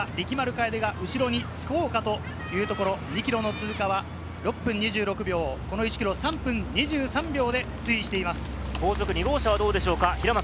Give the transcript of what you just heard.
後ろからも追ってきますが、今、力丸楓が後ろにつこうかというところ、２ｋｍの通過は６分２６秒、この１ｋｍを３分２３秒で推移しています。